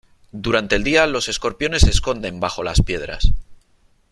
Durante el día los escorpiones se esconden bajo las piedras.